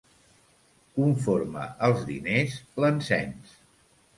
Conforme els diners, l'encens.